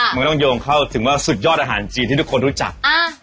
มันก็ต้องโยงเข้าถึงว่าสุดยอดอาหารจีนที่ทุกคนรู้จัก